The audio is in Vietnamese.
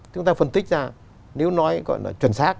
chúng ta phân tích ra nếu nói chuẩn xác